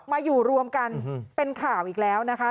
มาอยู่รวมกันเป็นข่าวอีกแล้วนะคะ